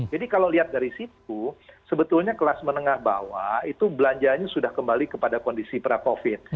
jadi kalau lihat dari situ sebetulnya kelas menengah bawah itu belanjanya sudah kembali kepada kondisi pra covid